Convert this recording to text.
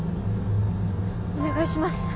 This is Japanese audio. お願いします。